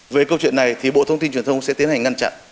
về câu chuyện này thì bộ thông tin truyền thông sẽ tiến hành ngăn chặn